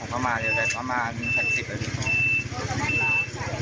แล้วผมก็มาเดี๋ยวได้ประมาณ๘๐นาทีครับ